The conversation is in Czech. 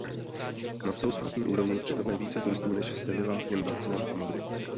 Na celostátní úrovni přitahuje více turistů než Sevilla jen Barcelona a Madrid.